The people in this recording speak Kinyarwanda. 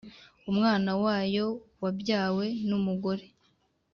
Umwana wayo wabyawe n’ umugore